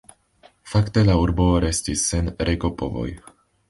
Fakte la urbo restis sen regopovoj.